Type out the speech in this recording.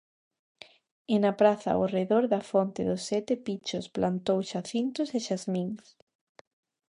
E na praza ao redor da fonte dos sete pichos plantou xacintos e xasmíns.